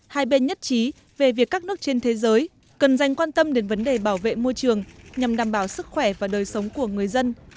hai bên nhất trí về việc các nước trên thế giới cần dành quan tâm đến vấn đề bảo vệ môi trường nhằm đảm bảo sức khỏe và đời sống của người dân